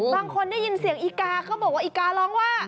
บางคนได้ยินเสียงอีกาเขาบอกว่าอีการ้องว่า